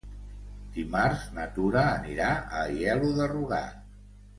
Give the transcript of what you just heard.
Dimarts na Tura anirà a Aielo de Rugat.